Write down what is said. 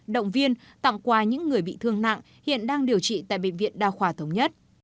động viên tặng quà những người bị thương nặng hiện đang điều trị tại bệnh viện đa khoa thống nhất